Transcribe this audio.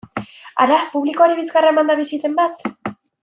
Hara, publikoari bizkarra emanda bizi den bat?